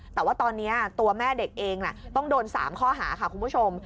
แต่ว่าตอนนี้ตัวแม่เด็กเองต้องโดน๓ข้อหาค่ะคุณผู้ชม